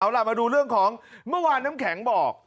เอาล่ะมาดูเรื่องของเมื่อวานน้ำแข็งบอก